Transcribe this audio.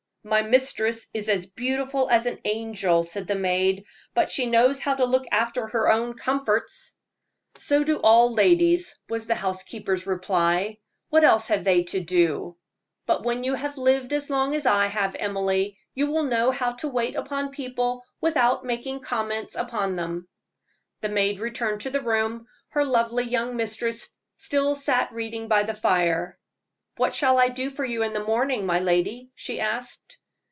"My mistress is as beautiful as an angel," said the maid, "but she knows how to look after her own comforts." "So do all ladies," was the housekeeper's reply; "what else have they to do? But when you have lived as long as I have, Emily, you will know how to wait upon people without making comments upon them." The maid returned to the room; her lovely young mistress still sat reading by the fire. "What shall I do for you in the morning, my lady?" she asked.